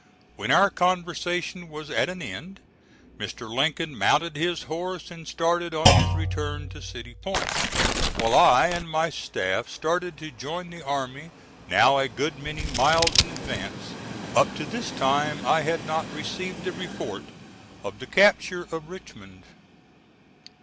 When our conversation was at an end Mr. Lincoln mounted his horse and started on his return to City Point, while I and my staff started to join the army, now a good many miles in advance. Up to this time I had not received the report of the capture of Richmond.